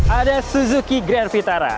ada suzuki grand vitara